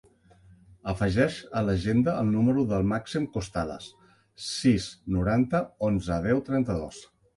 Afegeix a l'agenda el número del Màxim Costales: sis, noranta, onze, deu, trenta-dos.